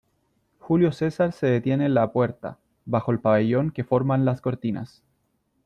julio César se detiene en la puerta , bajo el pabellón que forman las cortinas :